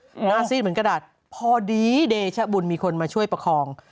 หน้าซีดเหมือนกระดาษพอดีเดชบุญมีคนมาช่วยประคอง